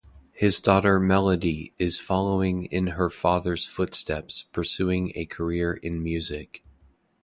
His daughter Melody is following in her father's footsteps pursuing a career in music.